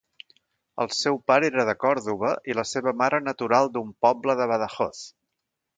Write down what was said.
El seu pare era de Còrdova i la seva mare natural d'un poble de Badajoz.